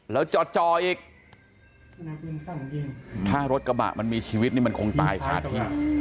แล้วจ่ออีกถ้ารถกระบะมันมีชีวิตนี่มันคงตายคาที่